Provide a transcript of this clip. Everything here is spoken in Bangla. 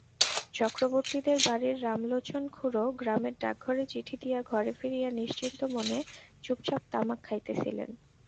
চক্রবর্তীদের বাড়ির রামলোচন খুড়ো গ্রামের ডাকঘরে চিঠি দিয়া ঘরে ফিরিয়া নিশ্চিন্তমনে চুপচাপ তামাক খাইতেছিলেন।